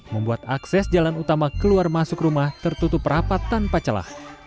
membuat akses jalan utama keluar masuk rumah tertutup rapat tanpa celah